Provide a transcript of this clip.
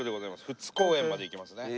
富津公園まで行きますね。